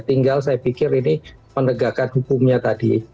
tinggal saya pikir ini penegakan hukumnya tadi